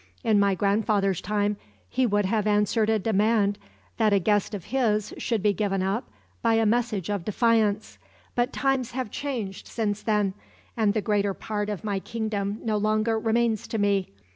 In my grandfather's time, he would have answered a demand that a guest of his should be given up by a message of defiance; but times have changed since then, and the greater part of my kingdom no longer remains to me.